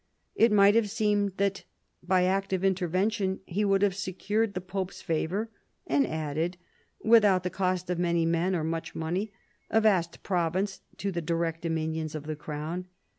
It might have seemed that by active intervention he would have secured the pope's favour, and added, without the cost of many men or ^muehTmoney, a vast province to the direct dominions r~^£.the crown.